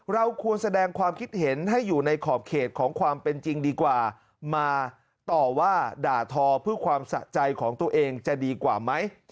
เราควรแสดงความคิดเห็นให้อยู่ในขอบเขตของความเป็นจริงดีกว่ามาต่อว่าด่าทอเพื่อความสะใจของตัวเองจะดีกว่าไหม